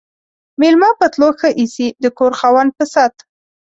ميلمه په تلو ښه ايسي ، د کور خاوند په ست.